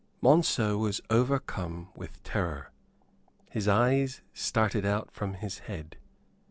Monceux was overcome with terror; his eyes started out from his head.